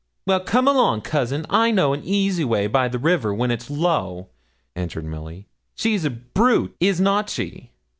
'Well, come along, cousin, I know an easy way by the river, when it's low,' answered Milly. 'She's a brute is not she?'